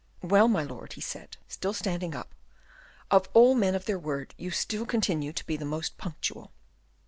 "Well, my lord," he said, still standing up, "of all men of their word, you still continue to be the most punctual."